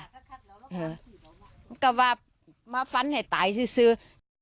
เออก็ว่ามันฝันให้ตายซิซื้อ